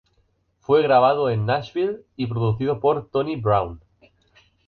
Fue grabado en Nashville y producido por Tony Brown.